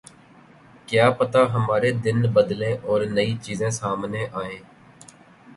کیا پتا ہمارے دن بدلیں اور نئی چیزیں سامنے آئیں۔